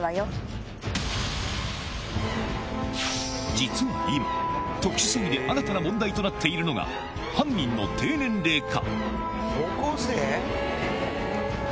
実は今特殊詐欺で新たな問題となっているのがってか